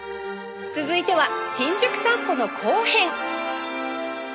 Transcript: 続いては新宿散歩の後編